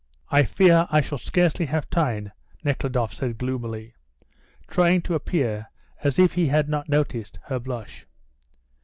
"I fear I shall scarcely have time," Nekhludoff said gloomily, trying to appear as if he had not noticed her blush.